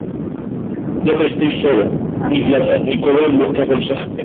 No aprestéis oro, ni plata, ni cobre en vuestras bolsas;